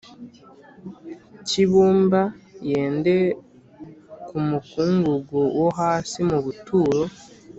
cy ibumba yende ku mukungugu wo hasi mu buturo